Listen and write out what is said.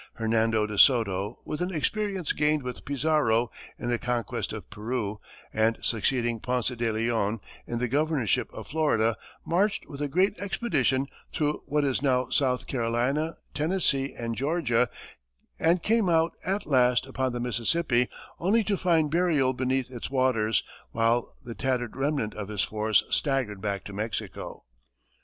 Hernando de Soto, with an experience gained with Pizarro in the conquest of Peru, and succeeding Ponce de Leon in the governorship of Florida, marched with a great expedition through what is now South Carolina, Tennessee and Georgia, and came out, at last, upon the Mississippi, only to find burial beneath its waters, while the tattered remnant of his force staggered back to Mexico.